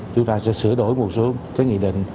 chúng ta sẽ sửa đổi một số cái nghị định